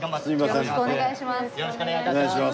よろしくお願いします。